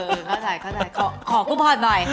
เออเข้าใจขอกูพอดหน่อย